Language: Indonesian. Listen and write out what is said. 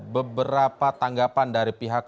beberapa tanggapan dari pihak